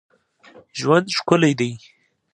ژوند ښکلی دئ.